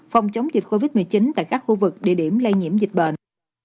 phòng chống dịch covid một mươi chín tại các khu vực địa điểm lây nhiễm dịch bệnh